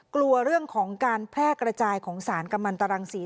กลัวเรื่องของการแพร่กระจายของสารกำมันตรังศรี